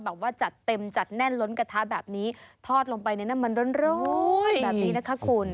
แบบว่าจัดเต็มจัดแน่นล้นกระทะแบบนี้ทอดลงไปในน้ำมันร้อนแบบนี้นะคะคุณ